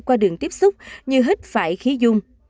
qua đường tiếp xúc như hít phải khí dung